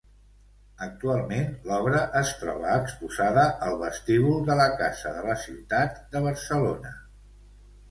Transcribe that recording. Actualment, l'obra es troba exposada al vestíbul de la casa de la Ciutat de Barcelona.